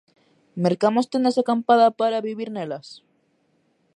Mercamos tendas de acampada para vivir nelas?